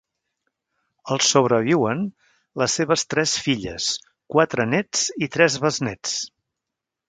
El sobreviuen les seves tres filles, quatre nets i tres besnets.